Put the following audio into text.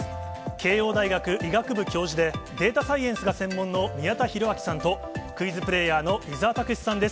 慶應大学医学部教授で、データサイエンスが専門の宮田裕章さんと、クイズプレーヤーの伊沢拓司さんです。